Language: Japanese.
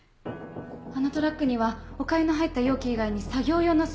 あのトラックにはおかゆの入った容器以外に作業用のスペースがあります。